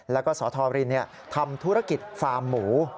แล้วก็สธรินทำธุรกิจฟาร์มหมู